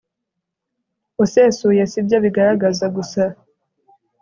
usesuye si byo bigaragaza gusa